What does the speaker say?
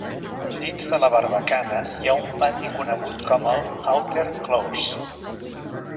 Dins de la barbacana hi ha un pati conegut com el Outer Close.